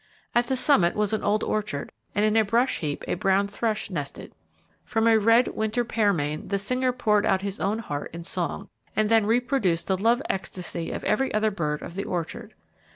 At the summit was an old orchard, and in a brush heap a brown thrush nested. From a red winter pearmain the singer poured out his own heart in song, and then reproduced the love ecstasy of every other bird of the orchard.